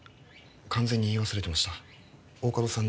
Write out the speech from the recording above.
完全に言い忘れてました大加戸さん